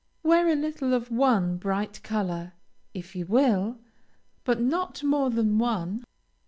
Wear a little of one bright color, if you will, but not more than one.